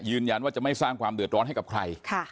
ยืนยันว่าจะไม่สร้างความเดือดร้อนให้กับใคร